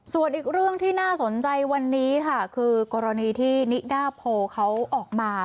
ส่วนอีกเรื่องที่น่าสนใจวันนี้ค่ะคือกรณีที่นิดาโพเขาออกมา